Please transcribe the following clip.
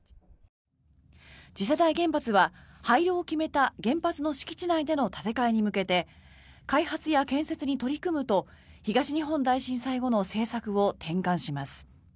次世代原発は廃炉を決めた原発の敷地内での建て替えに向けて開発や建設に取り組むと東日本大震災後の政策を転換します。